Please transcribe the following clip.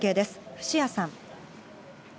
伏屋さん。